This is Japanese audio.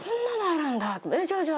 じゃあじゃあ。